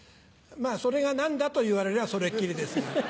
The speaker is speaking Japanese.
まぁそれが何だと言われりゃそれっきりですが。